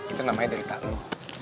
itu namanya derita lo